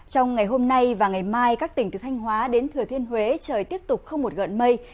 trong ngày hôm nay và ngày mai các tỉnh từ thanh hóa đến thừa thiên huế trời tiếp tục không một gận mây